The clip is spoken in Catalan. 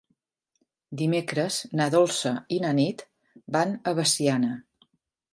Dimecres na Dolça i na Nit van a Veciana.